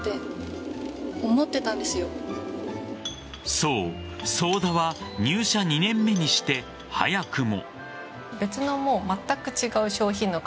そう、早田は入社２年目にして早くも。